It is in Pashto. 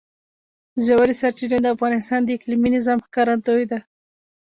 ژورې سرچینې د افغانستان د اقلیمي نظام ښکارندوی ده.